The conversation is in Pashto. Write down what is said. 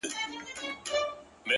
ائینه زړونه درواغ وایي چي نه مرو؛